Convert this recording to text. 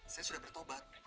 saya sudah bertobat